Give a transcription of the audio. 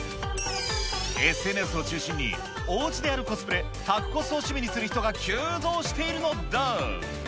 ＳＮＳを中心に、おうちでやるコスプレ、宅コスを趣味にしている人が急増しているのだ。